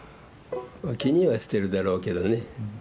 気にはしてるだろうけどね